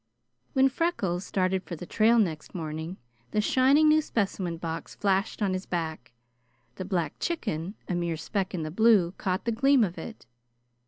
When Freckles started for the trail next morning, the shining new specimen box flashed on his back. The black "chicken," a mere speck in the blue, caught the gleam of it.